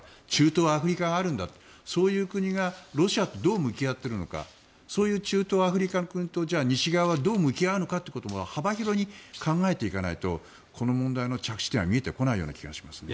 中東、アフリカがあるんだとそういう国がロシアとどう向き合っているのかそういう中東、アフリカの国と西側はどう向き合うのか幅広に考えていかないとこの問題の着地点は見えてこない気がしますね。